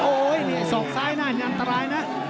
โอ้ยส่องซ้ายหน้านี่อันตรายนะ